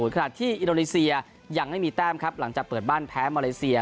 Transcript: ขณะที่อินโดนีเซียยังไม่มีแต้มครับหลังจากเปิดบ้านแพ้มาเลเซีย